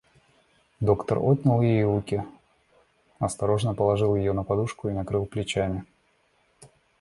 Доктор отнял ее руки, осторожно положил ее на подушку и накрыл с плечами.